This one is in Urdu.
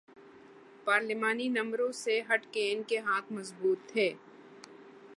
پارلیمانی نمبروں سے ہٹ کے ان کے ہاتھ مضبوط تھے۔